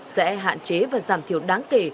sẽ hạn chế và giảm thiểu đáng kể